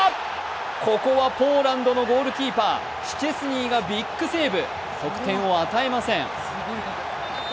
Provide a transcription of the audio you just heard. ここはポーランドのゴールキーパー、シュチェスニーがビッグセーブ得点を与えません。